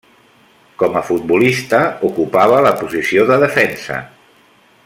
Com a futbolista, ocupava la posició de defensa.